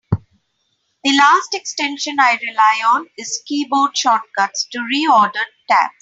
The last extension I rely on is Keyboard Shortcuts to Reorder Tabs.